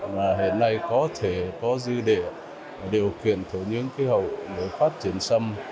và hiện nay có thể có dư địa điều kiện cho những khí hậu để phát triển sâm